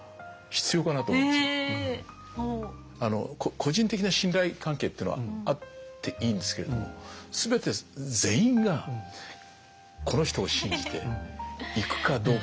個人的な信頼関係っていうのはあっていいんですけれども全て全員がこの人を信じていくかどうか。